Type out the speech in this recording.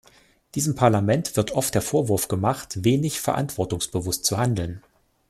Diesem Parlament wird oft der Vorwurf gemacht, wenig verantwortungsbewusst zu handeln.